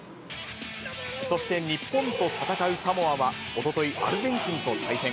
そして日本と戦うサモアはおととい、アルゼンチンと対戦。